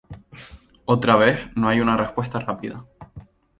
Otra vez, no hay una respuesta rápida.